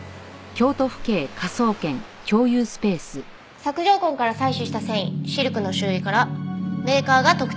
索条痕から採取した繊維シルクの種類からメーカーが特定できました。